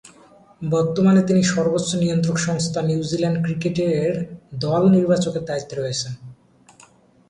বর্তমানে তিনি সর্বোচ্চ নিয়ন্ত্রক সংস্থা নিউজিল্যান্ড ক্রিকেটের দল নির্বাচকের দায়িত্বে রয়েছেন।